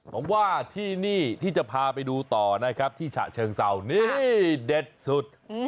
ผมว่าที่นี่ที่จะพาไปดูต่อนะครับที่ฉะเชิงเศร้านี่เด็ดสุด